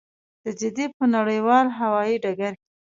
د جدې په نړیوال هوايي ډګر کې.